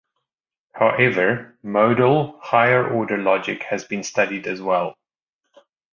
However, modal higher-order logic has been studied as well.